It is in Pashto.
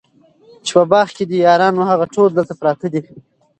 چي په باغ کي دي یاران وه هغه ټول دلته پراته دي